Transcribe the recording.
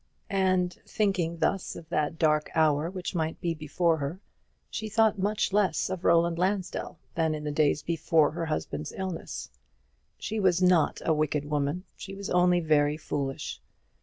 And, thinking thus of that dark hour which might be before her, she thought much less of Roland Lansdell than in the days before her husband's illness. She was not a wicked woman; she was only very foolish.